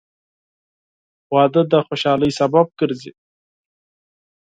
• واده د خوشحالۍ سبب ګرځي.